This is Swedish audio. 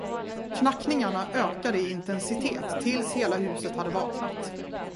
Knackningarna ökade i intensitet tills hela huset hade vaknat.